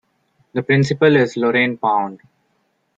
The principal is Lorraine Pound.